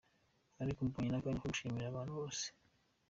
Ariko mbonye n’akanya ko gushimira abantu bose.